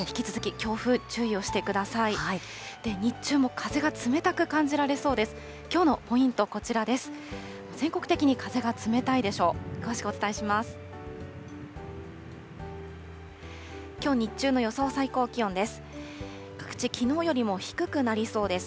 きょう日中の予想最高気温です。